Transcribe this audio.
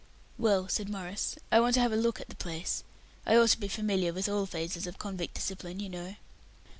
"Well," said Maurice. "I want to have a look at the place. I ought to be familiar with all phases of convict discipline, you know."